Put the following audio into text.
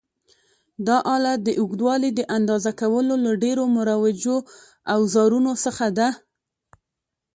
دا آله د اوږدوالي د اندازه کولو له ډېرو مروجو اوزارونو څخه ده.